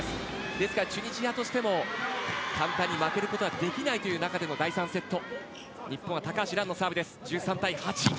ですからチュニジアも簡単に負けることができない中での第３セット。